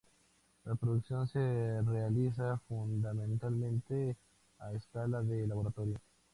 La producción se realiza fundamentalmente a escala de laboratorio.